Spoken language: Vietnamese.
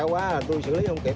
quá là tôi xử lý không kịp